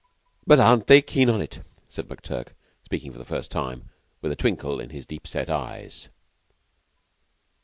"But aren't they keen on it?" said McTurk, speaking for the first time, with a twinkle in his deep set eyes.